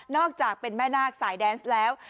อกจากเป็นแม่นาคสายแดนส์แล้ว